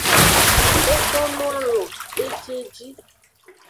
E donoalon ejieji.